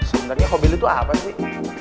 sebenernya kau beli tuh apa sih